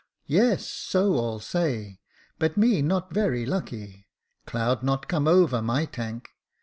"' Yes, so all say ; but me not very lucky. Cloud not come over my tank.